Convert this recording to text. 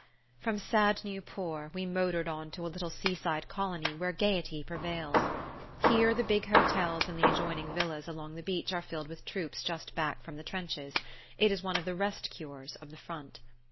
From sad Nieuport we motored on to a little seaside colony where gaiety prevails. Here the big hotels and the adjoining villas along the beach are filled with troops just back from the trenches: it is one of the "rest cures" of the front.